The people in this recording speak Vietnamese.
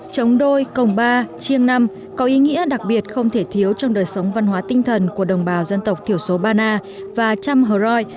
chống đôi cồng ba chiêng năm có ý nghĩa đặc biệt không thể thiếu trong đời sống văn hóa tinh thần của đồng bào dân tộc thiểu số bana và trăm hồ rồi